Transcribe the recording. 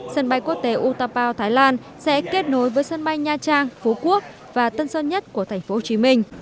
sân bay quốc tế utapo thái lan sẽ kết nối với sân bay nha trang phú quốc và tân sơn nhất của thành phố hồ chí minh